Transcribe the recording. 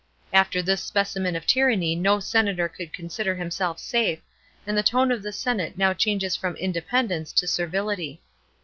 After this specimen « f tyranny no senator could consider himself safe, and the tone of the senate now changes from independence to servility.